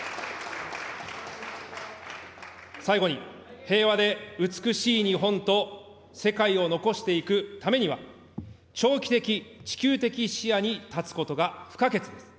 最後に、平和で美しい日本と世界を残していくためには、長期的・地球的視野に立つことが不可欠です。